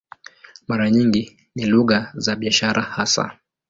Mara nyingi ni lugha za biashara hasa.